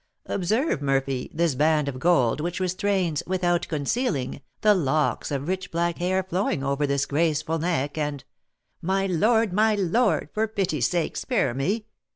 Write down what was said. "Observe, Murphy, this band of gold which restrains, without concealing, the locks of rich black hair flowing over this graceful neck, and " "My lord! my lord! for pity's sake spare me!